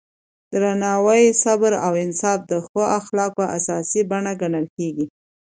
درناوی، صبر او انصاف د ښو اخلاقو اساسي بڼې ګڼل کېږي.